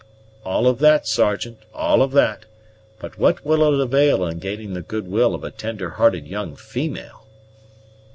"All of that, Sergeant, all of that; but what will it avail in gaining the good will of a tender hearted young female?"